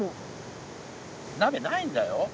なべないんだよ？